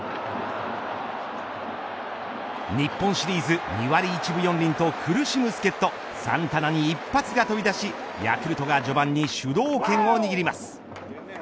日本シリーズ２割１分４厘と苦しむ助っ人サンタナに一発が飛び出しヤクルトが序盤に主導権を握ります。